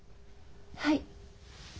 はい？